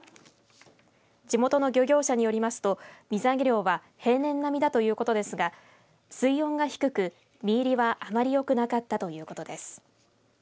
地元の漁業者によりますと水揚げ量は平年並みだということですが水温が低く実入りは、あまりよくなかったということです。